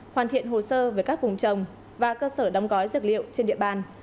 hoàn thiện hồ sơ với các vùng trồng và cơ sở đóng gói dược liệu trên địa bàn